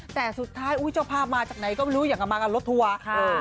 แต่สุดท้ายอุ้ยเจ้าภาพมาจากไหนก็ไม่รู้อย่างกับมากับรถทัวร์ค่ะ